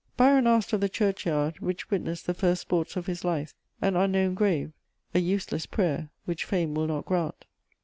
_ Byron asked of the churchyard, which witnessed the first sports of his life, an unknown grave: a useless prayer, which fame will not grant.